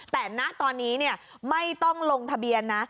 แต่นะตอนนี้เนี่ยไม่ต้องลงทะเบียนนะ